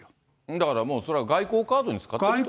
だからもう、それは外交カードに使ってるってことです。